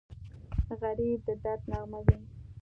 غریب د درد نغمه وي